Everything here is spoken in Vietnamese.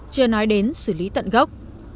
chưa nói đến xử lý tận gốc